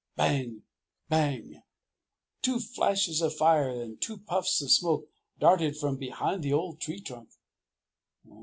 Bang! Bang! Two flashes of fire and two puffs of smoke darted from behind the old tree trunk.